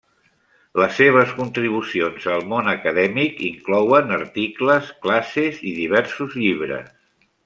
Les seves contribucions al món acadèmic inclouen articles, classes i diversos llibres.